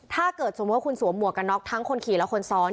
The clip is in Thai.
ถ้าเกิดสมมุติว่าคุณสวมหวกกันน็อกทั้งคนขี่และคนซ้อน